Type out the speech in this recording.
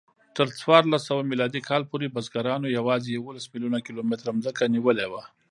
تر څوارلسسوه میلادي کال پورې بزګرانو یواځې یوولس میلیونه کیلومتره ځمکه نیولې وه.